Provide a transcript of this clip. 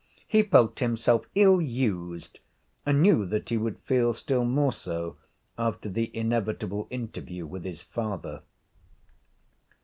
He felt himself ill used, and knew that he would feel still more so after the inevitable interview with his father.